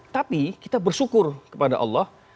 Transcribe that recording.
tapi kita bersyukur kepada allah